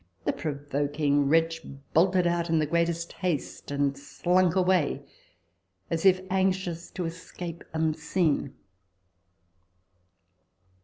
the provoking wretch bolted out in the greatest haste, and slunk away, as if anxious to escape unseen."